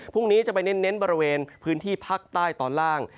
พรุ่งนี้จะไปเน้นบริเวณพื้นที่ภาคใต้ตอนล่าง